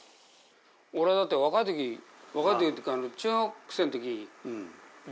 俺はだって若い時若い時っていうか。